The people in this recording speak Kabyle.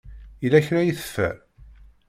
Yella kra ay teffer?